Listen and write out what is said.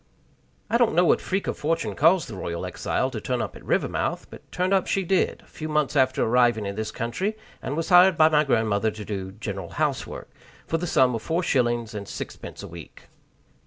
I don't know what freak of fortune caused the royal exile to turn up at Rivermouth; but turn up she did, a few months after arriving in this country, and was hired by my grandmother to do "general housework" for the sum of four shillings and six pence a week.